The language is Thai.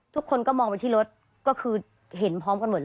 เพื่อที่จะได้หายป่วยทันวันที่เขาชีจันทร์จังหวัดชนบุรี